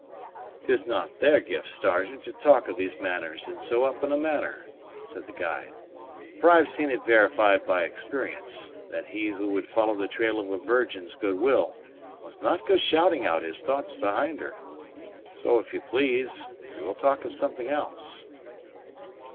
"'Tis not their gifts, Sergeant, to talk of these matters in so open a manner," said the guide; "for I've seen it verified by experience, that he who would follow the trail of a virgin's good will must not go shouting out his thoughts behind her. So, if you please, we will talk of something else."